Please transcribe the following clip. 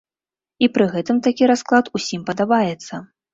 І пры гэтым такі расклад усім падабаецца.